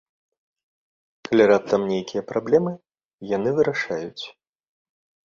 Калі раптам нейкія праблемы, яны вырашаюць.